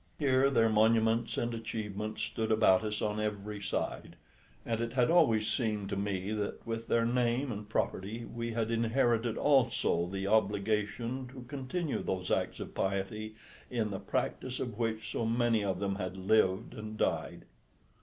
Here their monuments and achievements stood about us on every side, and it had always seemed to me that with their name and property we had inherited also the obligation to continue those acts of piety, in the practice of which so many of them had lived and died.